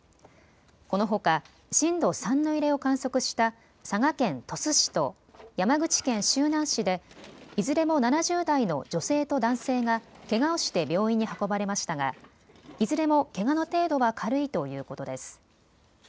このほか震度３の揺れを観測した佐賀県鳥栖市と山口県周南市でいずれも７０代の女性と男性がけがをして病院に運ばれましたがいずれもけがの程度は軽いということです。